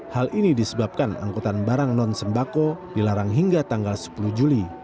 hal ini disebabkan angkutan barang non sembako dilarang hingga tanggal sepuluh juli